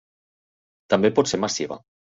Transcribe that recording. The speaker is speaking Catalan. També pot ser massiva.